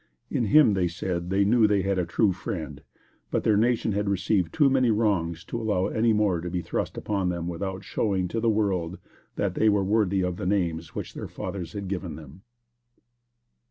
In him they said that they knew they had a true friend; but, their nation had received too many wrongs to allow any more to be thrust upon them without showing to the world that they were worthy of the names which their fathers had given to them.